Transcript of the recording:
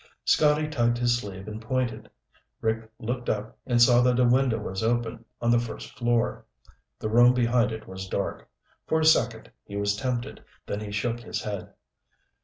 Scotty tugged his sleeve and pointed. Rick looked up and saw that a window was open on the first floor. The room behind it was dark. For a second he was tempted, then he shook his head.